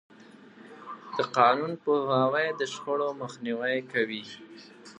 د قانون پوهاوی د شخړو مخنیوی کوي.